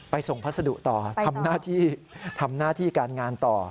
ไปส่งพัสดุต่อทำหน้าที่การงานต่อ